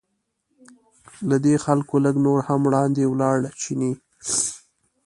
له دې خلکو لږ نور هم وړاندې ولاړ چیني.